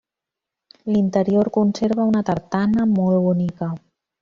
L'interior conserva una tartana molt bonica.